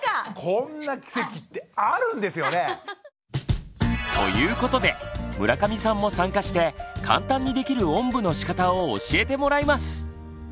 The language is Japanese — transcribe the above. こんな奇跡ってあるんですよね！ということで村上さんも参加して簡単にできるおんぶのしかたを教えてもらいます！